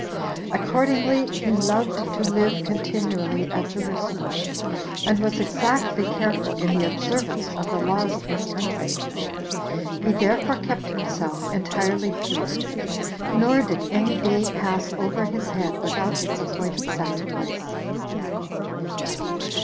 Accordingly, he loved to live continually at Jerusalem, and was exactly careful in the observance of the laws of his country. He therefore kept himself entirely pure; nor did any day pass over his head without its appointed sacrifice.